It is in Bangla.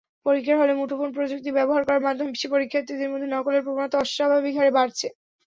পরীক্ষার হলে মুঠোফোন প্রযুক্তি ব্যবহার করার মাধ্যমে পরীক্ষার্থীদের মধ্যে নকলের প্রবণতা অস্বাভাবিকভাবে বাড়ছে।